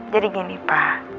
jadi gini pak